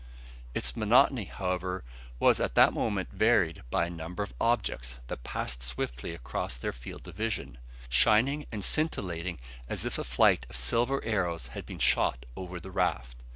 Its monotony, however, was at that moment varied by a number of objects that passed swiftly across their field of vision, shining and scintillating as if a flight of silver arrows had been shot over the raft.